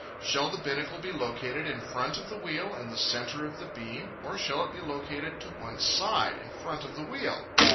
Shall the binnacle be located in front of the wheel in the centre of the beam, or shall it be located to one side in front of the wheel?